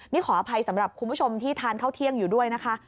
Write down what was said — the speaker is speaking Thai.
นี่ขออภัยสำหรับคุณผู้ชมที่ทานข้าวเที่ยงอยู่ด้วยนะคะ